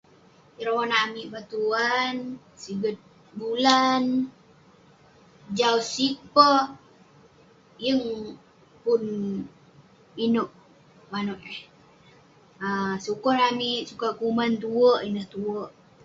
Ireh monak amik bantuan, siget bulan. Jau sig peh, yeng pun inouk manouk eh. ah Sukon amik sukat kuman tue, ineh tue.